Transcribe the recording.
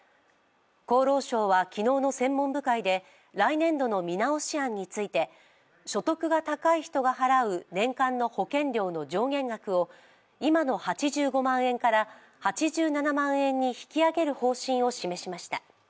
厚労省は昨日の専門部会で来年度の見直し案について、所得が高い人が払う年間の保険料の上限額を今の８５万円から８７万円に引き上げる方針を示しました。